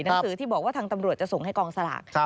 หนังสือที่บอกว่าทางตำรวจจะส่งให้กองสลาก